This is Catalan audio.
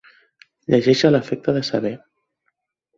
Llegeix a l'efecte de saber.